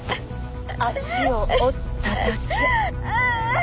足を折っただけ。